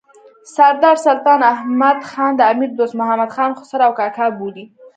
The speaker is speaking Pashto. سردار سلطان احمد خان د امیر دوست محمد خان خسر او کاکا بولي.